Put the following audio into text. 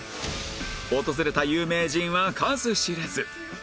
訪れた有名人は数知れず